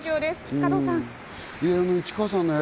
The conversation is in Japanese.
加藤さん。